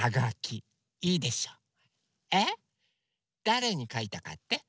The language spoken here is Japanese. だれにかいたかって？